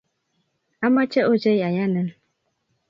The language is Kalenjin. amoche ochei ayanin.